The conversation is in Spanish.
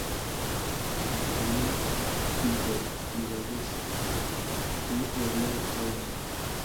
Bayona, Guillem Morales u Oriol Paulo.